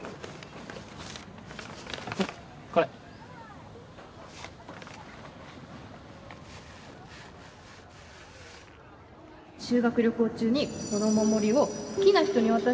これ修学旅行中にこのお守りを好きな人に渡して